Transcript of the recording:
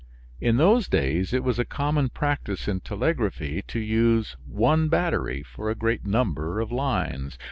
In those days it was a common practice in telegraphy to use one battery for a great number of lines.